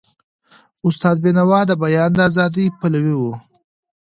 استاد بینوا د بیان د ازادی پلوی و.